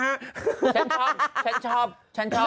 ฉันชอบฉันชอบฉันชอบ